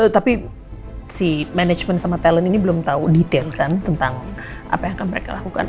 tapi si manajemen sama talent ini belum tahu detail kan tentang apa yang akan mereka lakukan